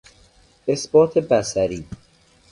اثبات بصری